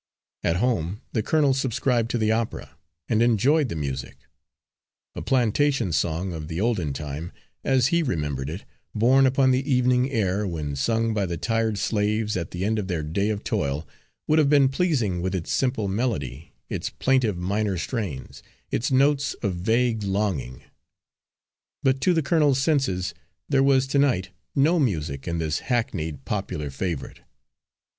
At home, the colonel subscribed to the opera, and enjoyed the music. A plantation song of the olden time, as he remembered it, borne upon the evening air, when sung by the tired slaves at the end of their day of toil, would have been pleasing, with its simple melody, its plaintive minor strains, its notes of vague longing; but to the colonel's senses there was to night no music in this hackneyed popular favourite.